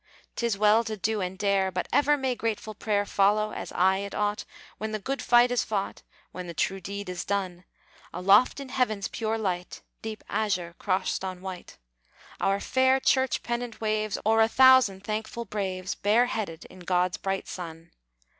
'Tis well to do and dare; But ever may grateful prayer Follow, as aye it ought, When the good fight is fought, When the true deed is done. Aloft in heaven's pure light (Deep azure crossed on white), Our fair Church pennant waves O'er a thousand thankful braves, Bareheaded in God's bright sun.